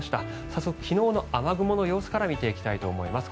早速、昨日の雨雲の様子から見ていきたいと思います。